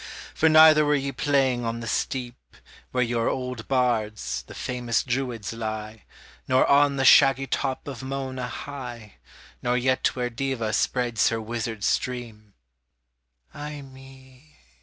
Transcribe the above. For neither were ye playing on the steep, Where your old bards, the famous druids, lie, Nor on the shaggy top of Mona high, Nor yet where Deva spreads her wizard stream Ay me!